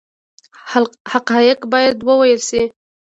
حقایق باید وویل شي